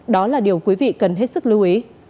đó là điều quý vị cần hết sức lưu ý